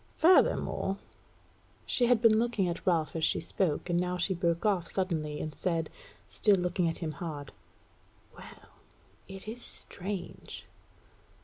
Furthermore " She had been looking at Ralph as she spoke, and now she broke off suddenly, and said, still looking at him hard; "Well, it is strange!"